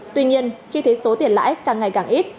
tuy nhiên khi thấy số tiền lãi càng ngày càng ít